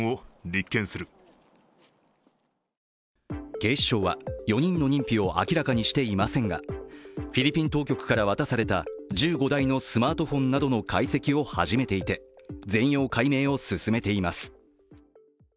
警視庁は４人の認否を明らかにしていませんがフィリピン当局から渡された１５台のスマートフォンなどの解析を始めていて全容解明を進めています。